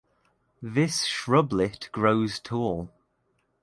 This shrublet grows tall.